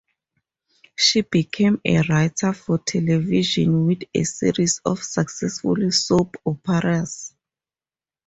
She became a writer for television with a series of successful soap operas.